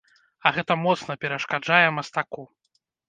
А гэта моцна перашкаджае мастаку.